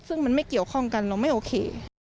ซึ่งมันไม่เกี่ยวข้องกันเราไม่โอเค